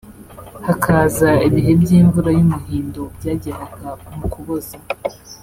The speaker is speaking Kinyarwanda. hakaza ibihe by’imvura y’umuhindo byageraga m’Ukuboza